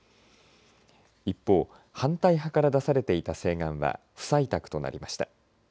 一方、反対派から出されていた請願は不採択となりました。